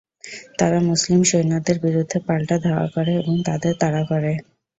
তারা মুসলিম সৈন্যদের বিরুদ্ধে পাল্টা ধাওয়া করে এবং তাদের তাড়া করে।